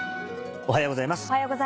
おはようございます。